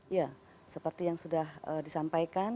ya seperti yang sudah disampaikan